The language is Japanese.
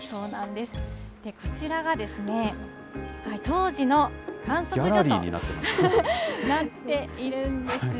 こちらが当時の観測所となっているんです。